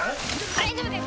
大丈夫です